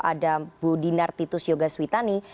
ada bu dinar titus yoga switani